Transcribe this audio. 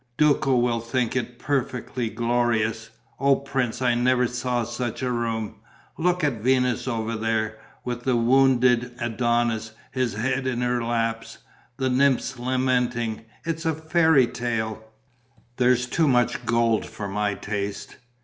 "Duco will think it perfectly glorious. Oh, prince, I never saw such a room! Look at Venus over there, with the wounded Adonis, his head in her lap, the nymphs lamenting! It is a fairy tale." "There's too much gold for my taste."